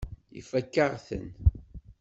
Ifakk-aɣ-ten.